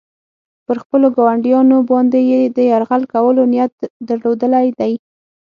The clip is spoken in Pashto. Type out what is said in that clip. پر خپلو ګاونډیانو باندې یې د یرغل کولو نیت درلودلی دی.